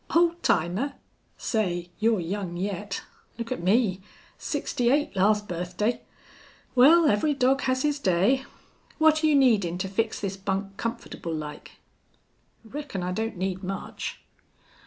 "Old timer! Say, you're young yet. Look at me. Sixty eight last birthday! Wal, every dog has his day.... What're you needin' to fix this bunk comfortable like?" "Reckon I don't need much."